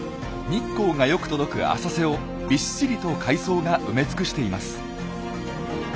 日光がよく届く浅瀬をびっしりと海藻が埋め尽くしています。